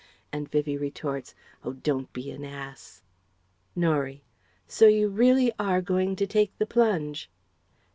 and Vivie retorts "Oh, don't be an ass!") Norie: "So you really are going to take the plunge?"